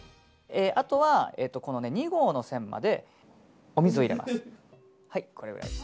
あとは２合の線までお水を入れます。